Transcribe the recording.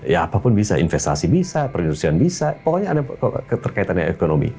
ya apapun bisa investasi bisa perindustrian bisa pokoknya ada keterkaitannya ekonomi